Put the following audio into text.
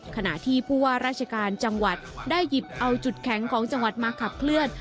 ขณะที่ผู้ว่าราชการจังหวัดได้หยิบเอาจุดแข็งของจังหวัดมาขับเคลื่อน